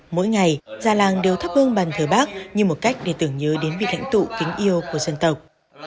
mỗi ngày gia làng đều thắp hương bàn thờ bác như một cách để tưởng nhớ đến vị lãnh tụ kính yêu của dân tộc